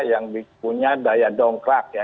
yang punya daya dongkrak ya